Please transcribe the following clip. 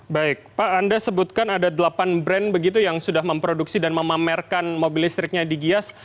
baik pak anda sebutkan ada delapan brand begitu yang sudah memproduksi dan memamerkan mobil listriknya di gias